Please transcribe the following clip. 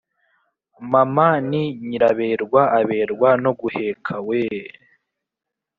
mama ni nyiraberwa aberwa no guheka weee